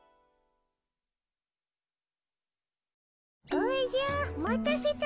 おじゃ待たせたの。